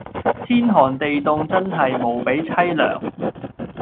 天寒地涷真係無比淒涼